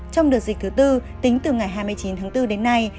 trong đợt dịch thứ tư tính từ ngày hai mươi chín tháng bốn đến nay